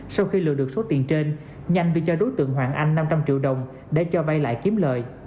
sau khi lừa được số tiền trên nhanh đưa cho đối tượng hoàng anh năm trăm linh triệu đồng để cho vay lại kiếm lời